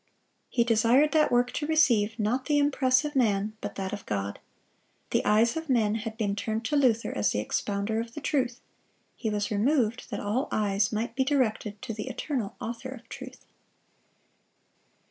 He desired that work to receive, not the impress of man, but that of God. The eyes of men had been turned to Luther as the expounder of the truth; he was removed that all eyes might be directed to the eternal Author of truth.